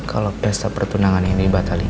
kalau pesta pertunangan ini batalin